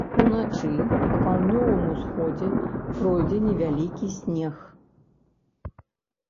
Уначы па паўднёвым усходзе пройдзе невялікі снег.